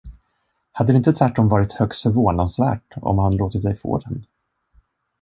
Hade det inte tvärtom varit högst förvånansvärt, om han låtit dig få den?